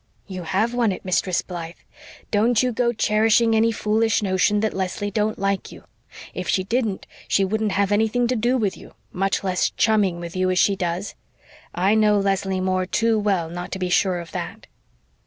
"You have won it, Mistress Blythe. Don't you go cherishing any foolish notion that Leslie don't like you. If she didn't she wouldn't have anything to do with you, much less chumming with you as she does. I know Leslie Moore too well not to be sure of that."